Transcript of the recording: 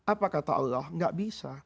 apa kata allah gak bisa